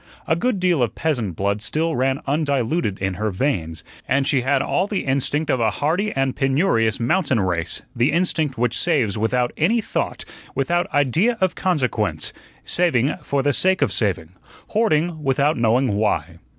A good deal of peasant blood still ran undiluted in her veins, and she had all the instinct of a hardy and penurious mountain race the instinct which saves without any thought, without idea of consequence saving for the sake of saving, hoarding without knowing why.